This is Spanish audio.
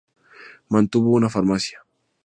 Mantuvo una farmacia.